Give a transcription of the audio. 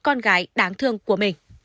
con gái đáng thương của mình